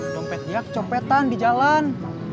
dompet dia kecompetan di jalan